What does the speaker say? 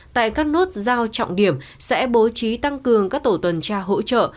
tại các nốt giao trọng điểm sẽ bố trí tăng cường các tổ tuần tra hỗ trợ